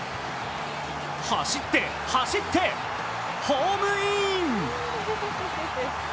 走って、走って、ホームイン！